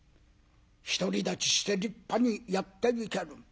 独り立ちして立派にやっていける。